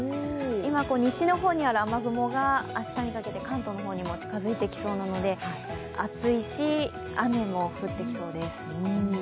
今、西の方にある雨雲が明日にかけて関東にも近づいてきそうなので、暑いし、雨も降ってきそうです。